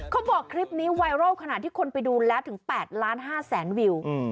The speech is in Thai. เขาบอกคลิปนี้ไวรัลขนาดที่คนไปดูแล้วถึง๘๕ล้านวิว